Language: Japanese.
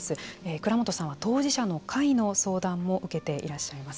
蔵元さんは当事者の会の相談も受けていらっしゃいます。